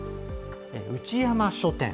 内山書店。